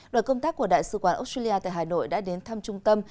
đoàn công tác của đại sứ quán australia tại hà nội đã đến thăm trung tâm